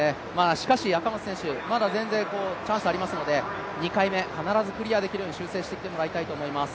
しかし、赤松選手、まだ全然チャンスありますので、２回目、必ずクリアできるように修正してきてもらいたいと思います。